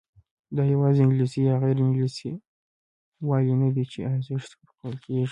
دا یوازې انګلیسي یا غیر انګلیسي والی نه دی چې ارزښت ورکول کېږي.